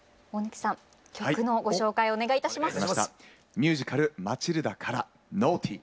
ミュージカル「マチルダ」から「Ｎａｕｇｈｔｙ」。